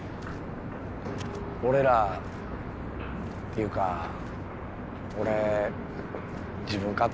俺らっていうか俺自分勝手でごめんな。